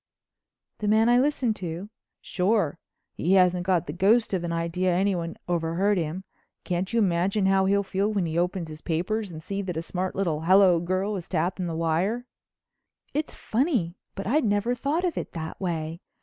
"The man I listened to?" "Sure. He hasn't got the ghost of an idea anyone overheard him. Can't you imagine how he'll feel when he opens his paper and sees that a smart little hello girl was tapping the wire?" It's funny, but I'd never thought of it that way.